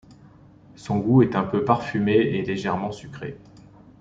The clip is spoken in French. Son goût est peu parfumé et légèrement sucré.